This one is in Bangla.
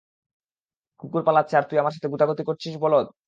কুকুর পালাচ্ছে আর তুই আমার সাথে গুতাগুতি করছিস, বলদ!